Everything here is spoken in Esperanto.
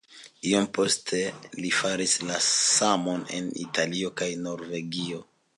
Iom poste li faris la samon en Italio kaj Norvegio.